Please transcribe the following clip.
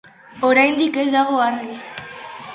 Oraindik ez dago argi.